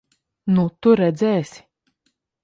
Nu, tu redzēsi!